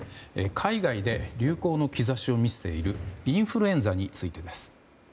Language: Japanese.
海外で流行の兆しを見せているインフルエンザについてです。